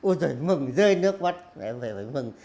ôi giời mừng rơi nước mắt mệt mệt mệt mừng